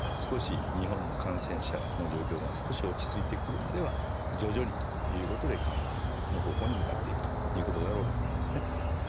日本の感染者の状況が少し落ち着いてくるまでは徐々にということで緩和の方向に向かっていくということだろうと思いますね。